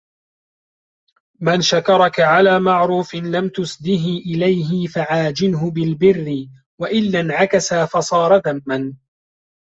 مَنْ شَكَرَكَ عَلَى مَعْرُوفٍ لَمْ تُسْدِهِ إلَيْهِ فَعَاجِلْهُ بِالْبِرِّ وَإِلَّا انْعَكَسَ فَصَارَ ذَمًّا